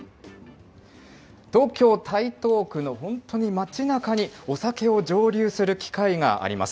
東京・台東区の本当に街なかに、お酒を蒸留する機械があります。